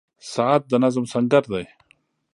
• ساعت د نظم سنګر دی.